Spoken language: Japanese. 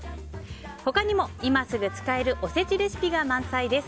他にも、今すぐ使えるおせちレシピが満載です。